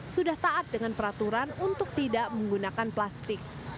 sudah taat dengan peraturan untuk tidak menggunakan plastik